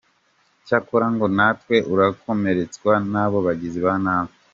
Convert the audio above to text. cyakora ngo ntawe urakomeretswa n’aba bagizi ba nabi.